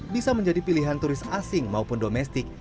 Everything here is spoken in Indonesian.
bisa menjadi pilihan turis asing maupun domestik